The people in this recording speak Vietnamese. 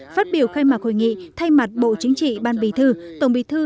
phát biểu khai mạc hội nghị thay mặt bộ chính trị ban bí thư tổng bí thư